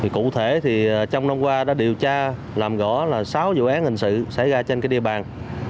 cụ thể trong năm qua đã điều tra làm rõ sáu vụ án hình sự xảy ra trên địa bàn